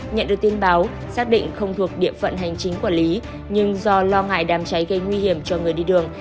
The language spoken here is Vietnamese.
nhận được tin báo xác định không thuộc địa phận hành chính quản lý nhưng do lo ngại đám cháy gây nguy hiểm cho người đi đường